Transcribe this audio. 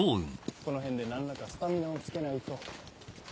この辺で何らかスタミナをつけないと。